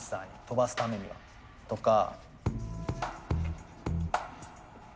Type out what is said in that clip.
飛ばすためにはとか。